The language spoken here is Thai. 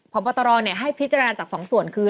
ผอมกตรเนี่ยให้พิจารณาจากสองส่วนคือ